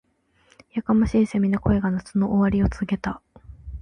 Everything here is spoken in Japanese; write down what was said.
•やかましい蝉の声が、夏の終わりを告げていた。